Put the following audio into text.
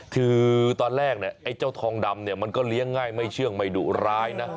คือตอนแรกเนี่ยไอ้เจ้าทองดำเนี่ยมันก็เลี้ยงง่ายไม่เชื่องไม่ดุร้ายนะ